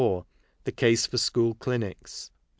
The Case tor School Clinics.